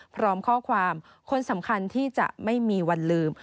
พร้อมข้อความคนสำคัญที่จะไม่มีวันลืม